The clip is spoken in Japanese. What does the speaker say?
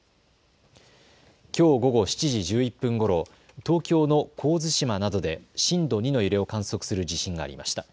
きょう午後７時１１分ごろ、東京の神津島などで震度２の揺れを観測する地震がありました。